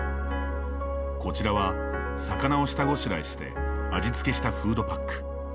こちらは、魚を下ごしらえして味付けしたフードパック。